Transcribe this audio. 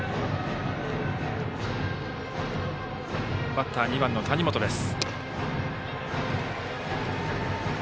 バッター、２番の谷本です。